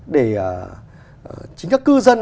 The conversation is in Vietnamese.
để chính các cư dân